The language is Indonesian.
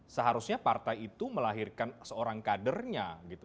seharusnya partai itu melahirkan seorang kadernya gitu